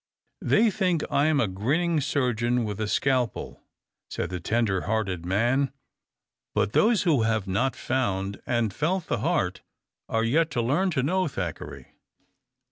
"They think I am a grinning surgeon with a scalpel," said the tender hearted man. But those who have not found and felt the heart are yet to learn to know Thackeray.